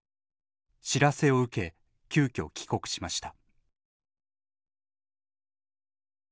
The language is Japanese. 知らせを受け急きょ帰国しました。